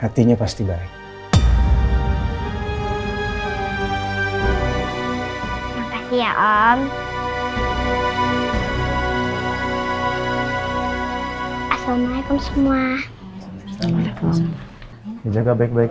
karena masih sedikit anak anaknya akan meny publik